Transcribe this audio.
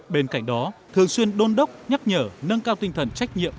bên cạnh đó thường xuyên đôn đốc nhắc nhở nâng cao tinh thần trách nhiệm